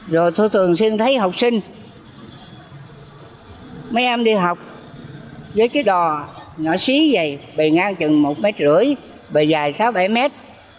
rồi tôi thường xuyên thấy học sinh mấy em đi học với cái đò nhỏ xí vầy bề ngang chừng một mét rưỡi bề dài sáu bảy mét